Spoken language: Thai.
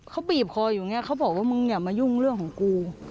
เขาบีบคออยู่อย่างนี้เขาบอกว่ามึงอย่ามายุ่งเรื่องของกู